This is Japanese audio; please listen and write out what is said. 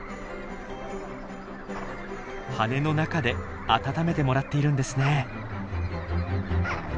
羽の中で温めてもらっているんですね。